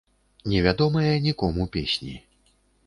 Не вядомыя нікому песні.